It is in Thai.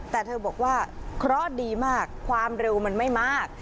แต่เธอบอกว่าเคราะห์ดีมากความเร็วมันไม่มาก